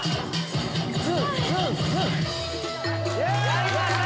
やりました！